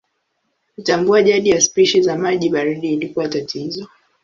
Kutambua jadi ya spishi za maji baridi ilikuwa tatizo.